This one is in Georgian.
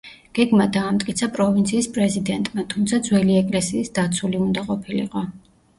გეგმა დაამტკიცა პროვინციის პრეზიდენტმა, თუმცა ძველი ეკლესიის დაცული უნდა ყოფილიყო.